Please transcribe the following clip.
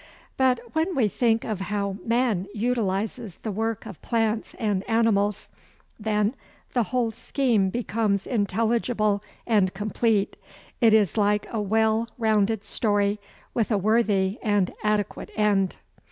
But when we think of how man utilizes the work of plants and animals, then the whole scheme becomes intelligible and complete; it is like a well rounded story with a worthy and adequate end.